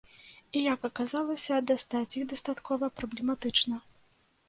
І, як аказалася, дастаць іх дастаткова праблематычна.